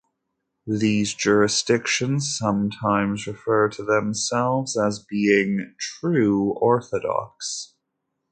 These jurisdictions sometimes refer to themselves as being "True Orthodox".